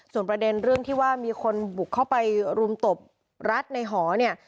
ส่วนประเด็นเรื่องที่ว่ามีคนบุกเข้าไปรุมตบรัดในหอเนี่ย